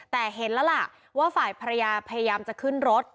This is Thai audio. แต่เห็นแล้วล่ะว่าฝ่ายภรรยาพยายามจะขึ้นรถ